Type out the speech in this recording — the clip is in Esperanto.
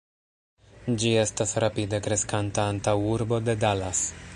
Ĝi estas rapide kreskanta antaŭurbo de Dallas.